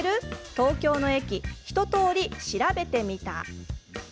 東京の駅ひととおり調べてみた」。